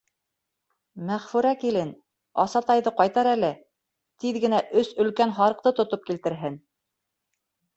Мәғфүрә килен, Асатайҙы ҡайтар әле, тиҙ генә өс өлкән һарыҡты тотоп килтерһен.